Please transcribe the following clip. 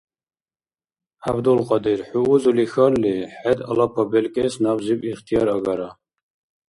ГӀябдулкьадир, хӀу узули хьалли, хӀед алапа белкӀес набзиб ихтияр агара.